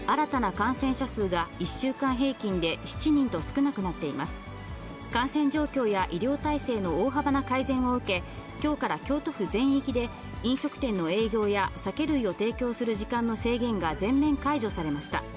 感染状況や医療体制の大幅な改善を受け、きょうから京都府全域で、飲食店の営業や酒類を提供する時間の制限が全面解除されました。